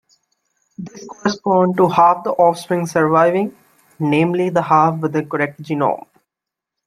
This corresponds to half the offspring surviving; namely the half with the correct genome.